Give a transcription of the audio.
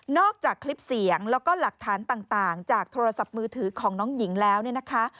จากคลิปเสียงแล้วก็หลักฐานต่างจากโทรศัพท์มือถือของน้องหญิงแล้วเนี่ยนะคะ